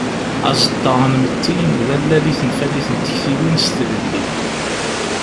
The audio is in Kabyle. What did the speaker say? Aẓeṭṭa anmetti d allal i tenfalit n tektiwin s tlelli.